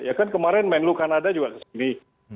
ya kan kemarin menlu kanada juga kesini